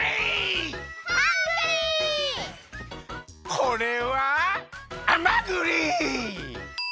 これはあまぐり！